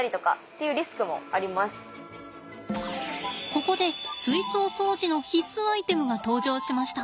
ここで水槽掃除の必須アイテムが登場しました。